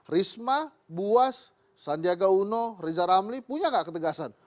risma buas sandiaga uno riza ramli punya nggak ketegasan